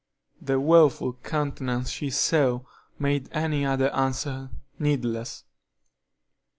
The woful countenance she saw made any other answer needless.